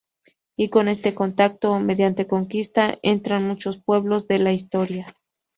Y con este contacto o mediante conquista entran muchos pueblos en la Historia.